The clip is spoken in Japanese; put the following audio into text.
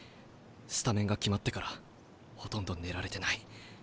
スタメンが決まってからほとんど寝られてない。